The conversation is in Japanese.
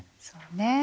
そうね。